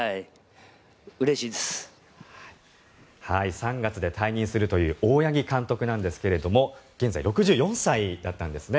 ３月で退任するという大八木監督なんですが現在、６４歳だったんですね。